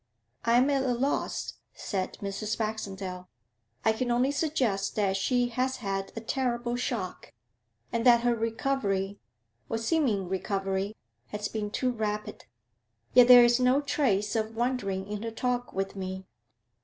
'I am at a loss,' said Mrs. Baxendale. 'I can only suggest that she has had a terrible shock, and that her recovery, or seeming recovery, has been too rapid. Yet there is no trace of wandering in her talk with me.'